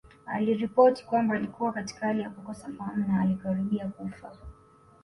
Aliripoti kwamba alikuwa katika hali ya kukosa fahamu na alikaribia kufa